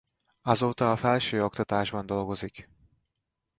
Azóta a felsőoktatásban dolgozik.